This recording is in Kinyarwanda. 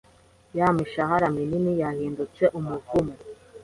Ya mishahara minini yahindutse umuvumo.